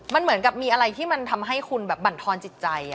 มันเหมือนกับมีอะไรที่ทำให้คุณบันทรจิตใจ